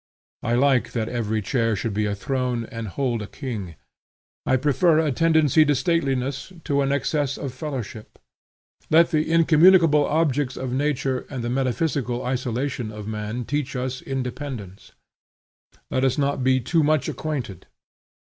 I like that every chair should be a throne, and hold a king. I prefer a tendency to stateliness to an excess of fellowship. Let the incommunicable objects of nature and the metaphysical isolation of man teach us independence. Let us not be too much acquainted.